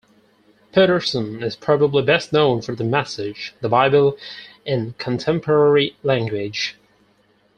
Peterson is probably best known for The Message: The Bible in Contemporary Language.